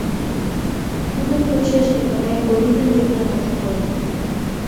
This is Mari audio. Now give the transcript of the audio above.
Тудын почеш Эпанай Кори ден Йыгнат ошкылыт.